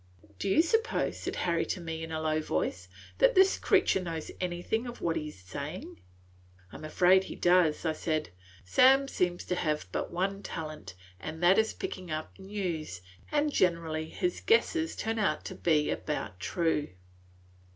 "Do you suppose," said Harry to me, in a low voice, "that this creature knows anything of what he is saying? " "I 'm afraid he does," said I. "Sam seems to have but one talent, and that is picking up news; and generally his guesses turn out to be about true."